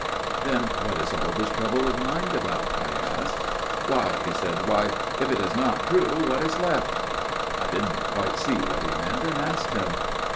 "' Then what is all this trouble of mind about ?' I asked. "'Why,' he said, * why ; if it is not true, what is left ?'" I didn't quite see what he meant, and asked him.